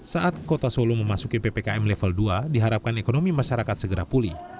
saat kota solo memasuki ppkm level dua diharapkan ekonomi masyarakat segera pulih